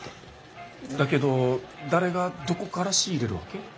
だけど誰がどこから仕入れるわけ？